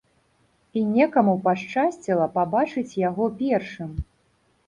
І некаму пашчасціла пабачыць яго першым!